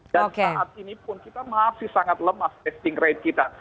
dan saat ini pun kita masih sangat lemah testing rate kita